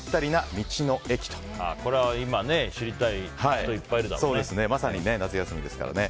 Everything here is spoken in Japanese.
これは今、知りたい人まさに夏休みですからね。